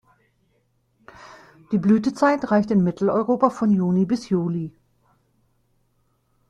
Die Blütezeit reicht in Mitteleuropa von Juni bis Juli.